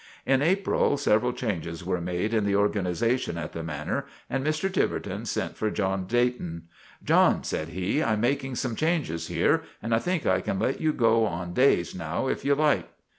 In April several changes were made in the or ganization at the Manor and Mr. Tiverton sent for John Dayton. " John/' said he, " I 'm making some changes here, and I think I can let you go on days now if you like."